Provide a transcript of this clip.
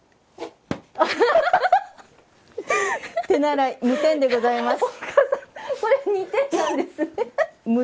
手習、無点でございます。